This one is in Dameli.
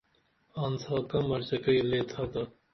آنڅھاکہ مرچکئی لئے تھاتا